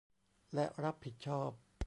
และรับผิดชอบ